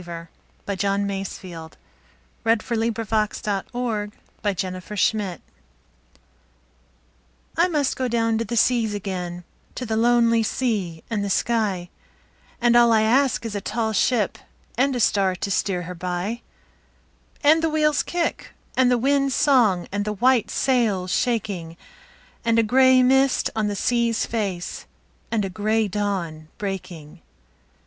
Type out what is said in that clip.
C D . E F . G H . I J . K L . M N . O P . Q R . S T . U V . W X . Y Z Sea Fever I MUST down to the seas again, to the lonely sea and the sky, And all I ask is a tall ship and a star to steer her by, And the wheel's kick and the wind's song and the white sail's shaking, And a gray mist on the sea's face, and a gray dawn breaking.